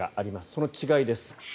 その違いです。